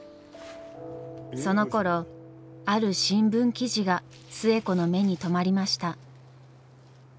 そのころある新聞記事が寿恵子の目に留まりました。